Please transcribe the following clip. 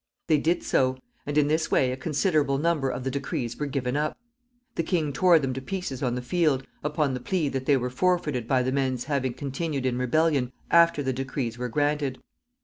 They did so; and in this way a considerable number of the decrees were given up. The king tore them to pieces on the field, upon the plea that they were forfeited by the men's having continued in rebellion after the decrees were granted.